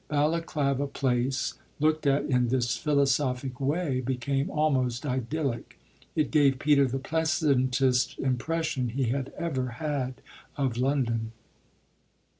Balaklava Place, looked at in this philosophic way, became almost idyllic: it gave Peter the pleasantest impression he had ever had of London.